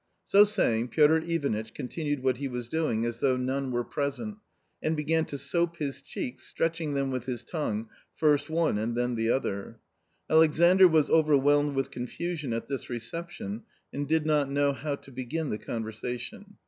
So saying Piotr Ivanitch continued what he was doing as though none were present, and began to soap his cheeks, stretching them with his tongue, first one, and then the other. Alexandr was overwhelmed with confusion at this reception and did not know how to begin the conversation.